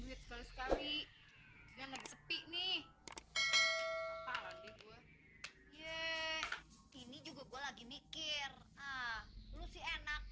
sekali sekali jangan lebih sepi nih apalah gue ye ini juga gue lagi mikir lu sih enak